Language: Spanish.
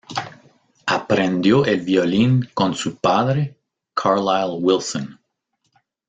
Aprendió el violín con su padre, Carlisle Wilson.